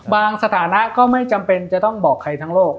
สถานะก็ไม่จำเป็นจะต้องบอกใครทั้งโลก